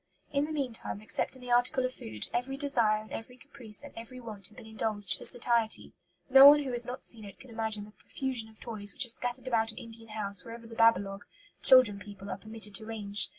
In the meantime, except in the article of food, every desire and every caprice and every want had been indulged to satiety. No one who has not seen it could imagine the profusion of toys which are scattered about an Indian house wherever the 'babalogue' (children people) are permitted to range.